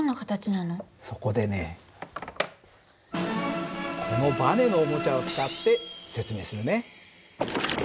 そこでねこのバネのおもちゃを使って説明するね。